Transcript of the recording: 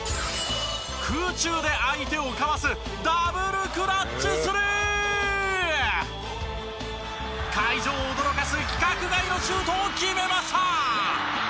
空中で相手をかわす会場を驚かす規格外のシュートを決めました。